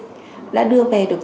có rất nhiều thuốc miễn dịch